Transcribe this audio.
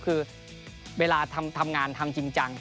คือเวลาทำงานทำจริงจัง